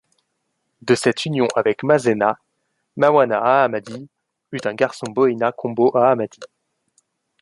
De cette union avec Mazena, Mawana Ahamadi eut un garçon Boina Combo Ahamadi.